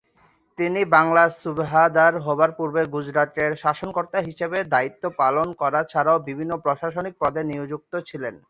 তিনি বাংলার সুবাহদার হবার পূর্বে গুজরাটের শাসনকর্তা হিসেবে দায়িত্ব পালন করা ছাড়াও বিভিন্ন প্রশাসনিক পদে নিযুক্ত হয়েছিলেন।